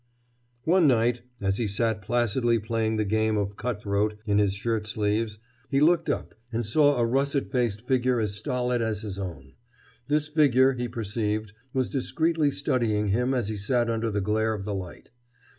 One night, as he sat placidly playing his game of "cut throat" in his shirt sleeves, he looked up and saw a russet faced figure as stolid as his own. This figure, he perceived, was discreetly studying him as he sat under the glare of the light.